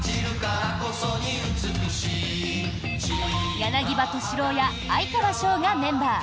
柳葉敏郎や哀川翔がメンバー。